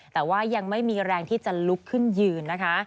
แต่ว่ายังไม่มีแรงที่จะลุกขึ้นยืนนะคะ